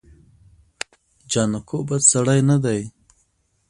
جانکو بد سړی نه دی.